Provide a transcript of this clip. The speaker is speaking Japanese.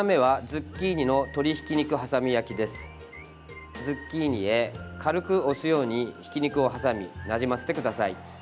ズッキーニへ軽く押すようにひき肉を挟みなじませてください。